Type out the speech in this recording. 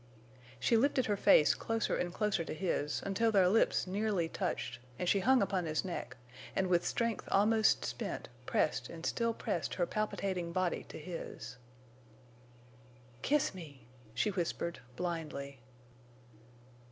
She lifted her face closer and closer to his, until their lips nearly touched, and she hung upon his neck, and with strength almost spent pressed and still pressed her palpitating body to his. "Kiss me!" she whispered, blindly.